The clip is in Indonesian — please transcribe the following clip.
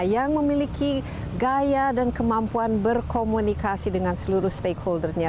yang memiliki gaya dan kemampuan berkomunikasi dengan seluruh stakeholdernya